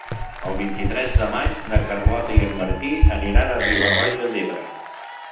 El vint-i-tres de maig na Carlota i en Martí aniran a Riba-roja d'Ebre.